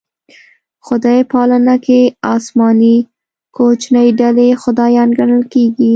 خدای پالنه کې اسماني کوچنۍ ډلې خدایان ګڼل کېږي.